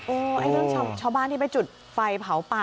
ไอ้เรื่องชาวบ้านที่ไปจุดไฟเผาป่า